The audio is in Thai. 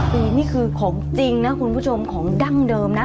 นี่คือของจริงนะคุณผู้ชมของดั้งเดิมนะ